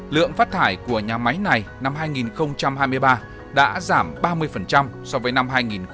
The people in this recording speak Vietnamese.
lượng phát thải của nhà máy này năm hai nghìn hai mươi ba đã giảm ba mươi so với năm hai nghìn hai mươi hai